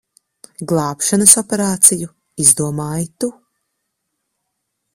Glābšanas operāciju izdomāji tu.